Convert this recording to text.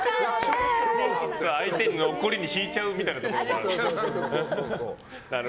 相手の怒りに引いちゃうみたいなところが。